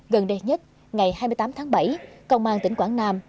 gần đây nhất ngày hai mươi tám tháng bảy công an tỉnh quảng nam